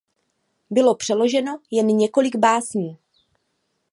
Bylo přeloženo jen několik básní.